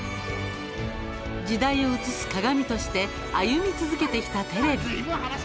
時代を映す鏡として歩み続けてきたテレビ。